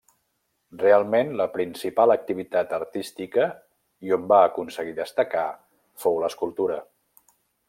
Realment la principal activitat artística, i on va aconseguir destacar, fou l'escultura.